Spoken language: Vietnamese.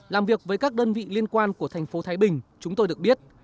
làm việc với các đơn vị liên quan của thành phố thái bình chúng tôi được biết